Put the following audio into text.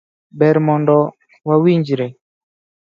Ber mondo wa winjre.